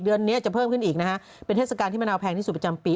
เดือนนี้จะเพิ่มขึ้นอีกนะฮะเป็นเทศกาลที่มะนาวแพงที่สุดประจำปี